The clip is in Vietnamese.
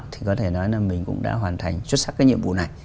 thì có thể nói là mình cũng đã hoàn thành xuất sắc cái nhiệm vụ này